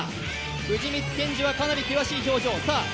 藤光謙司はかなり険しい表情。